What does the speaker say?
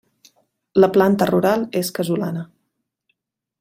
La planta rural és casolana.